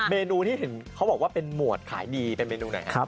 เมนูที่เห็นเขาบอกว่าเป็นหมวดขายดีเป็นเมนูไหนครับ